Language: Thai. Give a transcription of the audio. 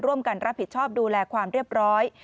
ร่วมกันรับผิดชอบดูแลความเรียบร้อย